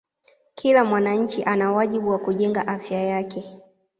Kila mwananchi ana wajibu wa kujenga Afya yake